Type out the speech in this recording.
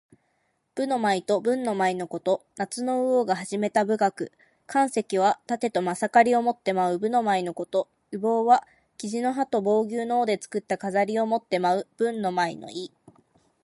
武の舞と文の舞のこと。夏の禹王が始めた舞楽。「干戚」はたてとまさかりを持って舞う、武の舞のこと。「羽旄」は雉の羽と旄牛の尾で作った飾りを持って舞う、文の舞の意。